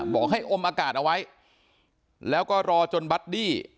บอกให้อมอากาศเอาไว้แล้วก็รอจนบัดดี้